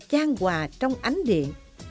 trang hòa trong ánh điện